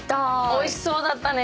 おいしそうだったね。